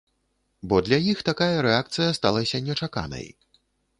Бо для іх такая рэакцыя сталася нечаканай.